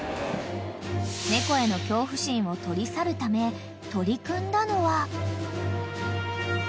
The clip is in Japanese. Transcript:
［猫への恐怖心を取り去るため取り組んだのは］